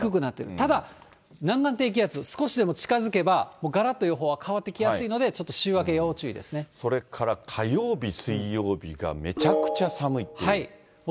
ただ、南岸低気圧、少しでも近付けば、もうがらっと予報は変わってきやすいのでちょっと週明け要それから、火曜日、水曜日がめちゃくちゃ寒いっていう。